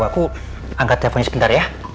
aku angkat teleponnya sebentar ya